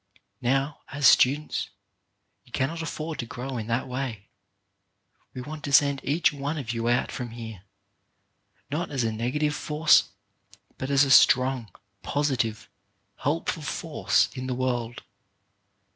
Now, as students, you cannot afford to grow in that way. We want to send each one of you out from here, not as a negative force, but as a strong, positive, helpful force in the world.